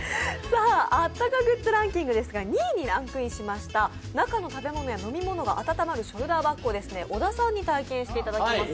あったかグッズランキングですが、２位にランクインした中の食べ物や飲み物が温まるショルダーバッグを小田さんに体験していただきます。